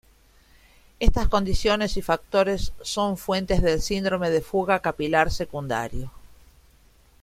Estas condiciones y factores son fuentes del síndrome de fuga capilar secundario.